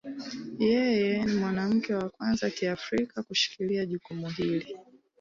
Yeye ni mwanamke wa kwanza wa Kiafrika kushikilia jukumu hili.